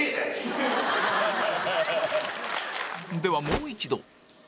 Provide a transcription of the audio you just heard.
ではもう一度